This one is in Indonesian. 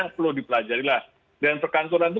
yang perlu dipelajari lah dan perkantoran itu